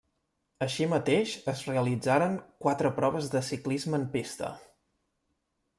Així mateix es realitzaren quatre proves de ciclisme en pista.